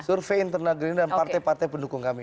survei internal gerindra dan partai partai pendukung kami